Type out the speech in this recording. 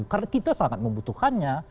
karena kita sangat membutuhkannya